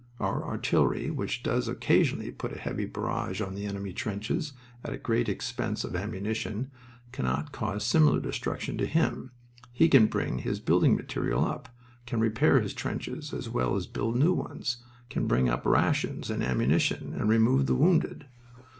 Our artillery, which does occasionally put a heavy barrage on the enemy trenches at a great expense of ammunition, cannot cause similar destruction to him. He can bring his building material up, can repair his trenches as well as build new ones, can bring up rations and ammunition, and remove the wounded.